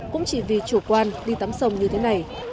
cũng chỉ vì chủ quan đi tắm sông như thế này